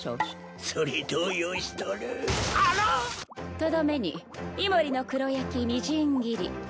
とどめにイモリの黒焼きみじん切り。